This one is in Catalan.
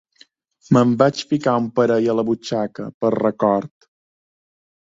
Me'n vaig ficar un parell a la butxaca, per record